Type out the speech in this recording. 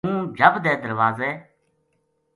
ہوں جھَب دے درواز ے